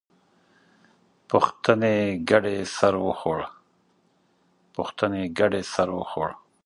پوښتنې ګډې سر وخوړ.